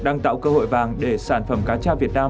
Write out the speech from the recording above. đang tạo cơ hội vàng để sản phẩm cá cha việt nam